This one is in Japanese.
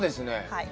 はい。